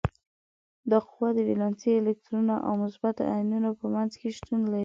دا قوه د ولانسي الکترونونو او مثبتو ایونونو په منځ کې شتون لري.